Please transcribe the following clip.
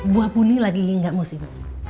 buah puni lagi hingga musim